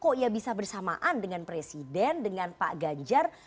kok ya bisa bersamaan dengan presiden dengan pak ganjar